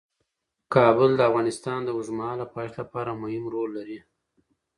کابل د افغانستان د اوږدمهاله پایښت لپاره مهم رول لري.